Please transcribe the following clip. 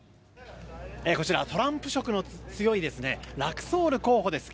こちらトランプ色の強いラクソール候補です。